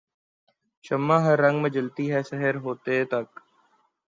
شمع ہر رنگ میں جلتی ہے سحر ہوتے تک